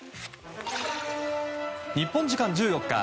日本時間１４日